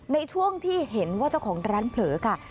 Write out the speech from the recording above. ในช่วงที่เห็นว่าเจ้าของร้านเผลอค่ะ